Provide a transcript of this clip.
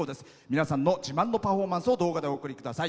皆さんの自慢のパフォーマンスを動画でお送りください。